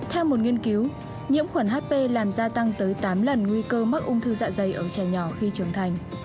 theo một nghiên cứu nhiễm khuẩn hp làm gia tăng tới tám lần nguy cơ mắc ung thư dạ dày ở trẻ nhỏ khi trưởng thành